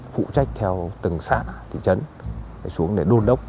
phụ trách theo từng xã thị trấn xuống để đôn đốc